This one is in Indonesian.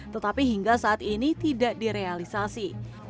tetapi hingga saat ini tidak direalisasi